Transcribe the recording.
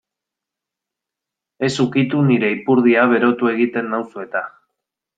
Ez ukitu nire ipurdia berotu egiten nauzu eta.